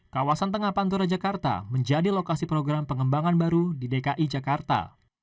kawasan tengah pantura jakarta menjadi lokasi program pengembangan baru di dki jakarta